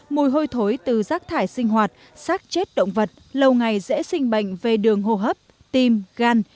mùi hôi thối từ rác thải sinh hoạt sát chết động vật lâu ngày dễ sinh bệnh về đường hô hấp tim gan